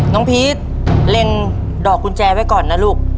พีชเล็งดอกกุญแจไว้ก่อนนะลูก